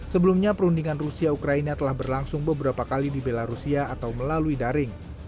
sebelumnya perundingan rusia ukraina telah berlangsung beberapa kali di belarusia atau melalui daring